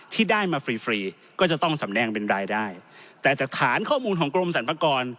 ที่ได้มาฟรีฟรีก็จะต้องสำแดงเป็นรายได้แต่จากฐานข้อมูลของกรมสรรพากร